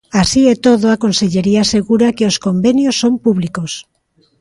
Así e todo, a Consellería asegura que os convenios son "públicos".